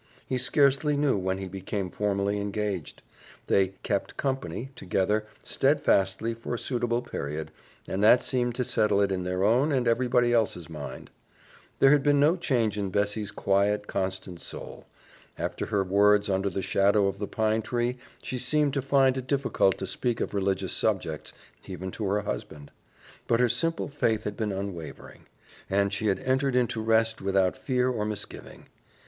He scarcely knew when he became formally engaged. They "kept company" together steadfastly for a suitable period, and that seemed to settle it in their own and everybody else's mind. There had been no change in Bessie's quiet, constant soul. After her words under the shadow of the pine tree she seemed to find it difficult to speak of religious subjects, even to her husband; but her simple faith had been unwavering, and she had entered into rest without fear or misgiving.